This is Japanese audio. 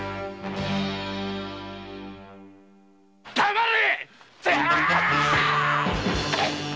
黙れ！